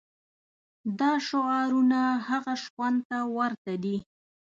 دا شعارونه هغه شخوند ته ورته دي.